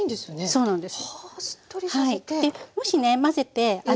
そうなんです。